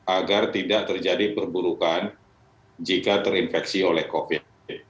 agar tidak terjadi perburukan jika terinfeksi oleh covid